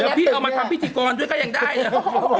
เดี๋ยวพี่เอามาทำพิจิกรด้วยก็ยังได้เนี่ย